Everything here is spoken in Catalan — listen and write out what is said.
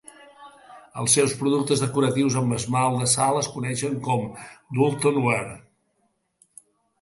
Els seus productes decoratius amb esmalt de sal es coneixien com a "Doulton Ware".